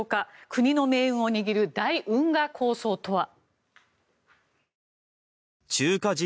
国の命運を握る大運河構想とは。